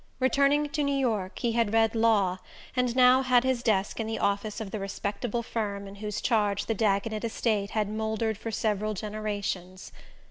Returning to New York, he had read law, and now had his desk in the office of the respectable firm in whose charge the Dagonet estate had mouldered for several generations.